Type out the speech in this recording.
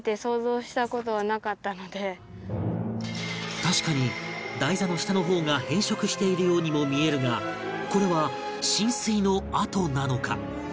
確かに台座の下の方が変色しているようにも見えるがこれは浸水の跡なのか？